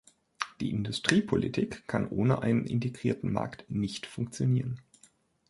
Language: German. Die Industriepolitik kann ohne einen integrierten Markt nicht funktionieren.